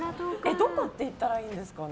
どこって言ったらいいですかね。